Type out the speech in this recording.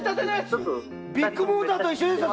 ビッグモーターと一緒ですよ！